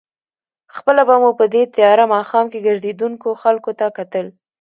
خپله به مو په دې تېاره ماښام کې ګرځېدونکو خلکو ته کتل.